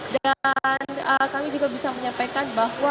dan kami juga bisa menyampaikan bahwa